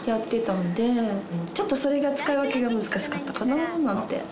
ちょっとそれが使い分けが難しかったかななんて。